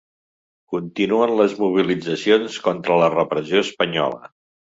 Continuen les mobilitzacions contra la repressió espanyola.